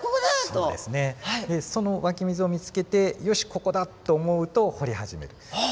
その湧き水を見つけて「よしここだ」と思うと掘り始める。